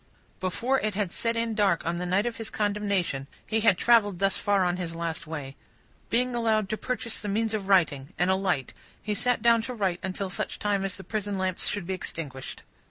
Before it had set in dark on the night of his condemnation, he had travelled thus far on his last way. Being allowed to purchase the means of writing, and a light, he sat down to write until such time as the prison lamps should be extinguished.